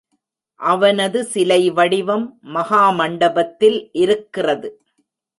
அவனது சிலைவடிவம் மகா மண்டபத்தில் இருக்கிறது.